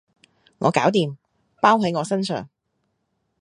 我搞掂，包喺我身上